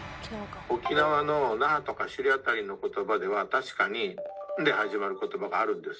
沖縄の那覇とか首里辺りのことばでは確かに「ん」で始まることばがあるんですね。